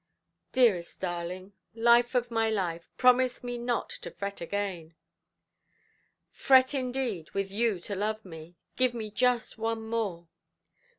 "Dearest darling, life of my life, promise me not to fret again". "Fret, indeed, with you to love me! Give me just one more".